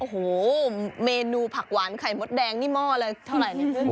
โอโหเมนูผักหวานไข่มดแดงมอเรื่อยเท่าไหร่